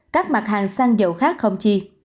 các mặt hàng xăng dầu khác không chi